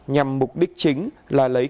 nhằm mục đích chính là lấy